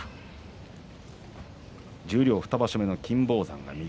十両２場所目の金峰山が右。